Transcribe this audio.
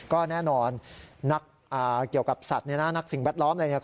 ก็แน่นอนเกี่ยวกับสัตว์นักสิ่งแวดล้อมอะไรอย่างนี้